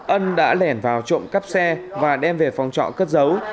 ân đã lẻn vào trộm cắp xe và đem về phòng trọ cất dấu